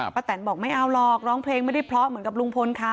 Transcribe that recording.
แตนบอกไม่เอาหรอกร้องเพลงไม่ได้เพราะเหมือนกับลุงพลค่ะ